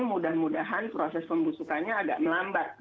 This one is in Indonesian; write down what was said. mudah mudahan proses pembusukannya agak melambat